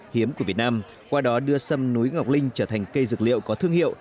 hiếm của việt nam qua đó đưa sâm núi ngọc linh trở thành cây dược liệu có thương hiệu